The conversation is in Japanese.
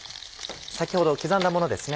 先ほど刻んだものですね。